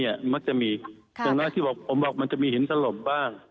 อย่างนั้นผมบอกว่ามันจะมีหินสลบบ้าง